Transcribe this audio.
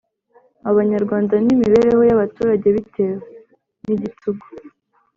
Abanyarwanda n imibereho y abaturage Bitewe n igitugu